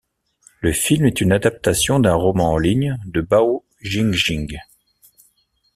Le film est une adaptation d'un roman en ligne de Bao Jingjing.